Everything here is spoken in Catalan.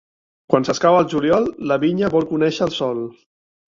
Quan s'escau el juliol, la vinya vol conèixer el sol.